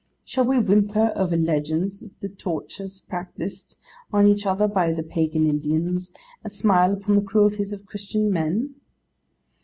Shall we whimper over legends of the tortures practised on each other by the Pagan Indians, and smile upon the cruelties of Christian men!